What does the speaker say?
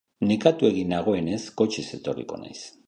Nekatuegi nagoenez, kotxez etorriko naiz.